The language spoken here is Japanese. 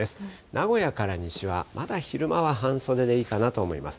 名古屋から西は、まだ昼間は半袖でいいかなと思います。